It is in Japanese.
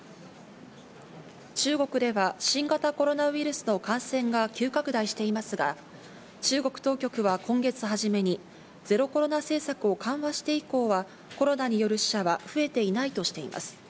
中国では新型コロナウイルスの感染が急拡大していますが、中国当局は今月初めにゼロコロナ政策を緩和して以降は、コロナによる死者は増えていないとしています。